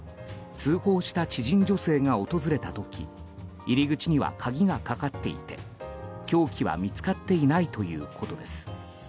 通報した知人女性が訪れた時入り口には鍵がかかっていて凶器は見つかっていないということです。